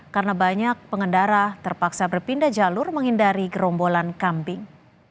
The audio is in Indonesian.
karena banyak pengendara terpaksa berpindah jalur menghindari gerombolan kambing